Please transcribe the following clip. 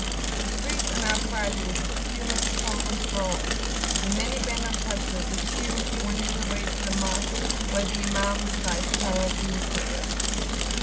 The streets are now crowded with a good humoured throng of strollers; the many bent on pleasure, the few wending their way to Mosque, where the Imam recites "Tarawih" prayers.